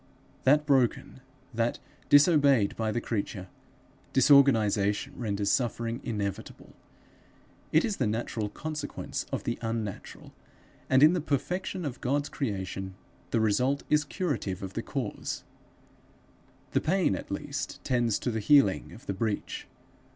That broken, that disobeyed by the creature, disorganization renders suffering inevitable; it is the natural consequence of the unnatural and, in the perfection of God's creation, the result is curative of the cause; the pain at least tends to the healing of the breach.